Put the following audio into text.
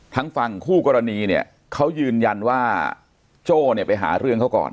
ทั้งฝั่งคู่กรณีเนี่ยเขายืนยันว่าโจ้เนี่ยไปหาเรื่องเขาก่อน